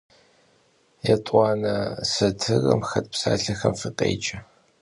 Yêt'uane satırım xet psalhexem fıkhêce.